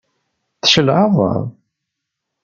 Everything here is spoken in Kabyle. Tcelεeḍ?